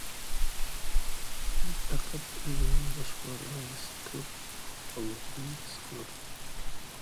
ئۇ پەقەت ئۆزىنىڭ باشقىلارغا دىققەت قىلىپ بولالمىغانلىقىنى ھېس قىلىدۇ.